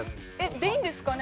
でいいんですかね？